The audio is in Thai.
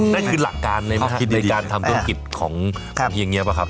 ได้ขึ้นหลักการเลยไหมครับในการทำต้นกิจของพี่อย่างนี้หรือเปล่าครับ